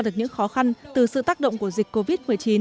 được những khó khăn từ sự tác động của dịch covid một mươi chín